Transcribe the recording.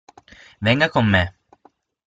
Venga con me.